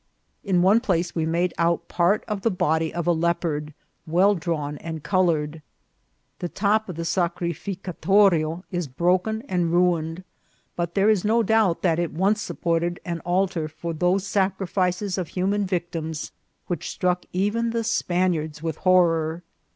In one place we made out part of the body of a leopard, well drawn and coloured. The top of the Sacrificatorio is broken and ruined, but there is no doubt that it once supported an altar for those sacrifices of human victims which struck even the Spaniards with horror.